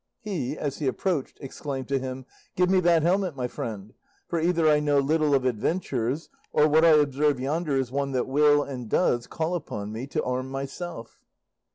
He, as he approached, exclaimed to him: "Give me that helmet, my friend, for either I know little of adventures, or what I observe yonder is one that will, and does, call upon me to arm myself."